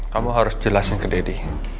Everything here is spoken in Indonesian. kamu harus jelasin ke deddy